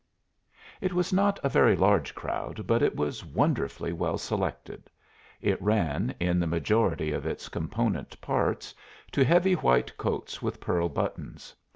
It was not a very large crowd, but it was wonderfully well selected. It ran, in the majority of its component parts, to heavy white coats with pearl buttons.